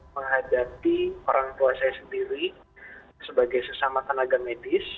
menghadapi orang tua saya sendiri sebagai sesama tenaga medis